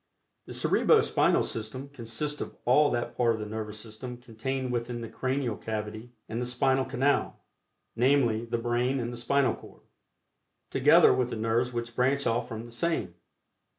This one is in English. The Cerebro Spinal System consists of all that part of the Nervous System contained within the cranial cavity and the spinal canal, viz., the brain and the spinal cord, together with the nerves which branch off from the same.